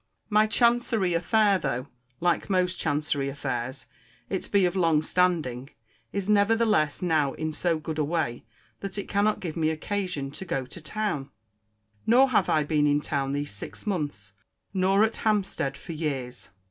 My chancery affair, though, like most chancery affairs, it be of long standing, is, nevertheless, now in so good a way, that it cannot give me occasion to go to town. Nor have I been in town these six months: nor at Hampstead for years.